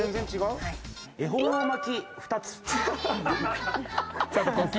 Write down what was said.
恵方巻き二つ。